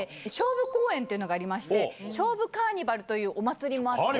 菖蒲公園っていうのがありまして、菖蒲カーニバルというお祭りもあって。